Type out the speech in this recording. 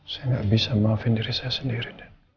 saya nggak bisa maafin diri saya sendiri